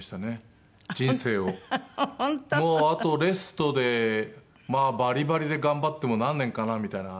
もうあとレストでまあバリバリで頑張っても何年かなみたいな意識があって。